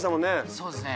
そうですね。